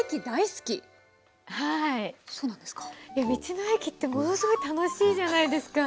道の駅ってものすごい楽しいじゃないですか。